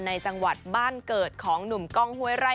ในจังหวัดบ้านเกิดของหนุ่มกล้องห้วยไร่